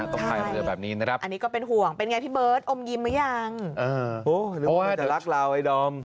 ใช่อันนี้ก็เป็นห่วงเป็นอย่างไรพี่เบิร์ตอมยิมหรือยังโอ้ลืมว่าจะรักเราไอ้ดอม